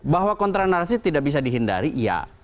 bahwa kontra narasi tidak bisa dihindari iya